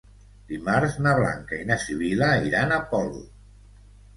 Dimarts na Blanca i na Sibil·la iran a Polop.